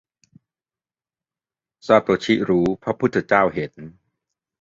- ซาโตชิรู้พระพุทธเจ้าเห็น